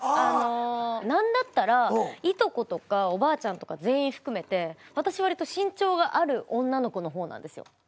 何だったらいとことかおばあちゃんとか全員含めて私わりと身長がある女の子の方なんですよ